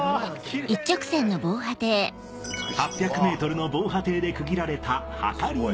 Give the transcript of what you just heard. ８００ｍの防波堤で区切られた。